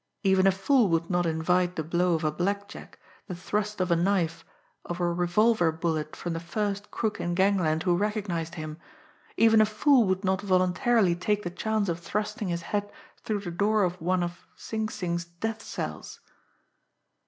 Even a fool would not invite the blow of a blackjack, the thrust of a knife, or a revolver bullet from the first crook in gangland who recognised him; even a fool would not voluntarily take the chance of thrusting his head through the door of one of Sing Sing's death cells!